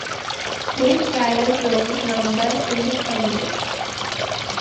These private rooms numbered in the hundreds.